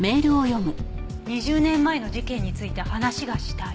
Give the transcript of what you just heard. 「２０年前の事件について話がしたい」